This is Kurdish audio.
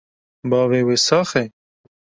Bavê wê sax e?